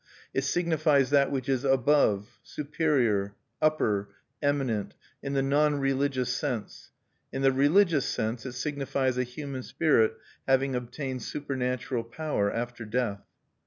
It signifies that which is "above," "superior," "upper," "eminent," in the non religious sense; in the religious sense it signifies a human spirit having obtained supernatural power after death.